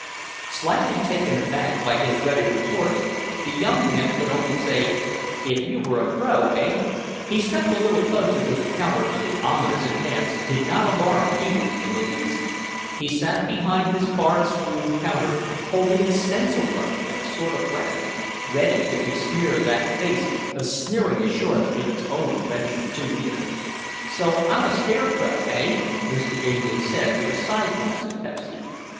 Slightly taken aback by his ready retorts, the young man could only say, "If you were a crow, hey?" He stepped a little closer to the counter but the ominous advance did not alarm Pee wee in the least. He sat behind his card strewn counter holding the stencil brush like a sort of weapon ready to besmear that face of sneering assurance if its owner ventured too near. "So I'm a scarecrow, eh?" Mr. Gamely said with a side glance at Pepsy.